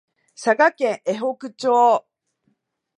佐賀県江北町